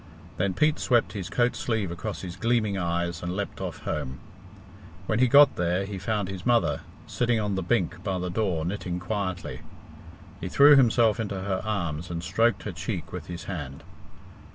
Then Pete swept his coat sleeve across his gleaming eyes and leapt off home. When he got there, he found his mother sitting on the bink by the door knitting quietly. He threw himself into her arms and stroked her cheek with his hand.